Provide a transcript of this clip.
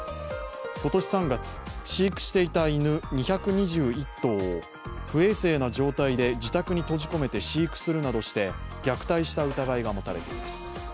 今年３月、飼育していた犬２２１頭を不衛生な状態で自宅に閉じ込めて飼育するなどして虐待した疑いがもたれています。